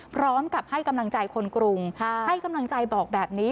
พร้อมกับให้กำลังใจคนกรุงให้กำลังใจบอกแบบนี้